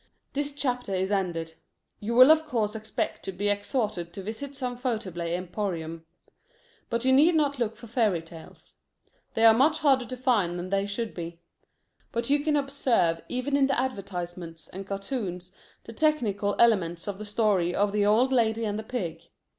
This chapter is ended. You will of course expect to be exhorted to visit some photoplay emporium. But you need not look for fairy tales. They are much harder to find than they should be. But you can observe even in the advertisements and cartoons the technical elements of the story of the old lady and the pig.